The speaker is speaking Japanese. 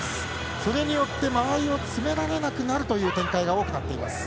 それによって間合いを詰められなくなるという展開が多くなっています。